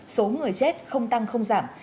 số người chết không tăng không giảm